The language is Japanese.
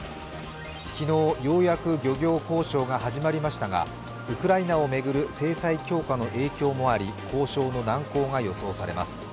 昨日、ようやく漁業交渉が始まりましたがウクライナを巡る制裁強化の影響もあり、交渉の難航が予想されます。